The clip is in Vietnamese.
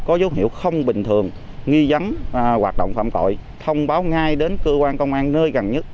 có dấu hiệu không bình thường nghi dắn hoạt động phạm tội thông báo ngay đến cơ quan công an nơi gần nhất